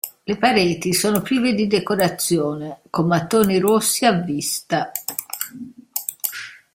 Le pareti sono prive di decorazione, con mattoni rossi a vista.